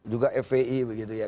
juga fvi begitu ya